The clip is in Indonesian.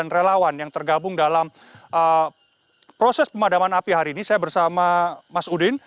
relawan yang tergabung dalam proses pemadaman api hari ini saya bersama mas udin